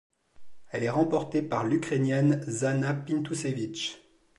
Elle est remportée par l'Ukrainienne Zhanna Pintusevich.